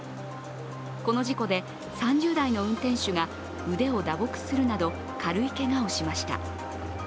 この事故で、３０代の運転手が腕を打撲するなど軽いけがをしました。